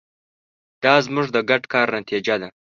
دا زموږ د ګډ کار نتیجه ده.